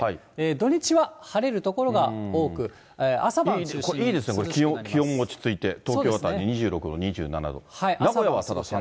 土日は晴れる所が多く、いいですね、気温が落ち着いて、東京辺り、２６度、２７度。